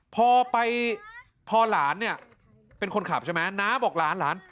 พอไปพอหลานเนี่ยเป็นคนขับใช่ไหมน้าบอกหลานหลาน